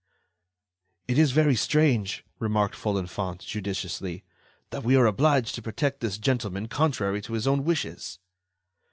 "It is very strange," remarked Folenfant, judiciously, "that we are obliged to protect this gentleman contrary to his own wishes."